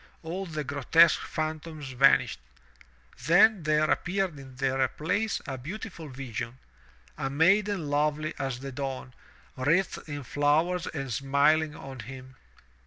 all the grotesque phantoms vanished. Then there appeared in their place a beautiful vision — a maiden lovely as the dawn, wreathed in flowers and smiling on him.